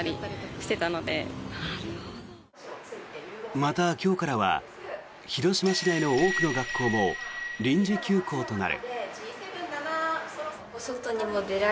また、今日からは広島市内の多くの学校も臨時休校となる。